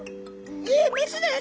いえメスです！